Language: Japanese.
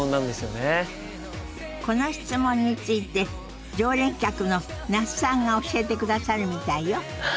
この質問について常連客の那須さんが教えてくださるみたいよ。